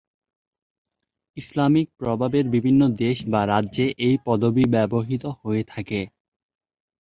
Islamic প্রভাবের বিভিন্ন দেশ বা রাজ্যে এই পদবি ব্যবহৃত হয়ে থাকে।